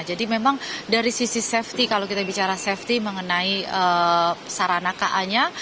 jadi memang dari sisi safety kalau kita bicara safety mengenai sarana ka nya